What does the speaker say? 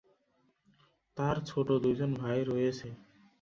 তার ছোট দুইজন ভাই রয়েছে।